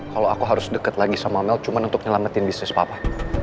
kalau aku harus deket lagi sama mel cuma untuk nyelamatin bisnis papa